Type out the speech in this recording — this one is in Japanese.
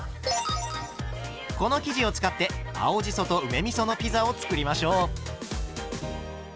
この生地を使って青じそと梅みそのピザを作りましょう。